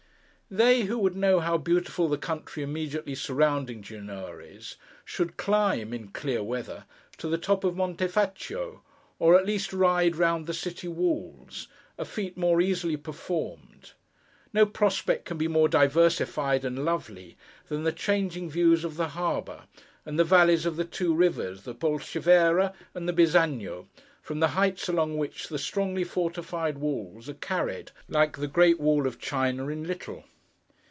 They who would know how beautiful the country immediately surrounding Genoa is, should climb (in clear weather) to the top of Monte Faccio, or, at least, ride round the city walls: a feat more easily performed. No prospect can be more diversified and lovely than the changing views of the harbour, and the valleys of the two rivers, the Polcevera and the Bizagno, from the heights along which the strongly fortified walls are carried, like the great wall of China in little.